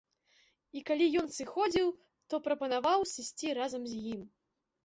І калі ён сыходзіў, то прапанаваў сысці разам з ім.